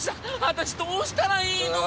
私どうしたらいいの？